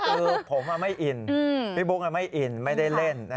คือผมไม่อินพี่บุ๊กไม่อินไม่ได้เล่น